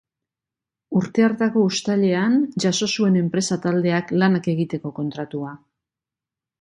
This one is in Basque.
Urte hartako uztailean jaso zuen enpresa taldeak lanak egiteko kontratua.